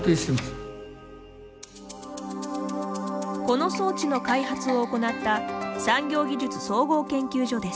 この装置の開発を行った産業技術総合研究所です。